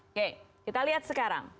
oke kita lihat sekarang